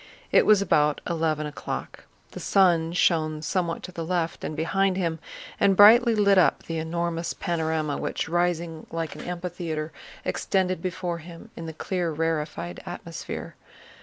It was about eleven o'clock. The sun shone somewhat to the left and behind him and brightly lit up the enormous panorama which, rising like an amphitheater, extended before him in the clear rarefied atmosphere.